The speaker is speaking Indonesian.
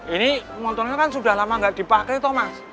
ini motornya kan sudah lama gak dipake toh mas